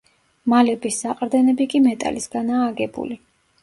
მალების საყრდენები კი მეტალისგანაა აგებული.